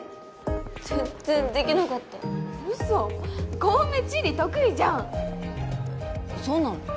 全然できなかったウソ小梅地理得意じゃんそうなの？